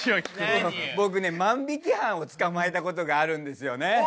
僕ね万引き犯を捕まえたことがあるんですよね。